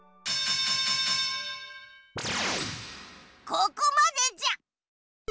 ここまでじゃ！